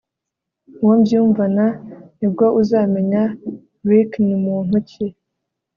uwo mbyumvana nibwo uzamenya Rick ni muntu ki